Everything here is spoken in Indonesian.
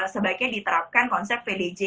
sebaiknya diterapkan konsep pdj